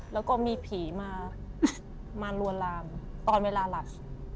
แล้วก็มีผีมาลวนลามตอนเวลาหลับ